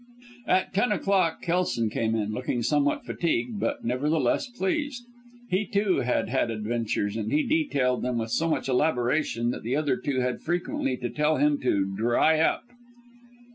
At ten o'clock Kelson came in, looking somewhat fatigued, but, nevertheless, pleased. He, too, had had adventures, and he detailed them with so much elaboration that the other two had frequently to tell him to "dry up."